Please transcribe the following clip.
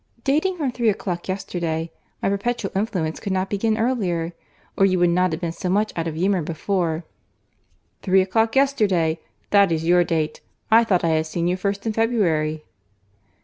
"Dating from three o'clock yesterday. My perpetual influence could not begin earlier, or you would not have been so much out of humour before." "Three o'clock yesterday! That is your date. I thought I had seen you first in February."